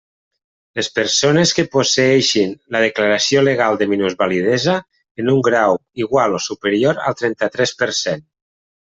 Les persones que posseeixin la declaració legal de minusvalidesa en un grau igual o superior al trenta-tres per cent.